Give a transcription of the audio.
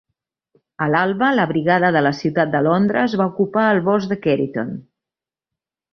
A l'alba, la brigada de la ciutat de Londres va ocupar el bosc de Cheriton.